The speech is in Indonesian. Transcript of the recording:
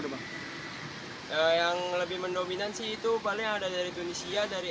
dari negara yang lebih mendominansi itu paling ada dari indonesia dari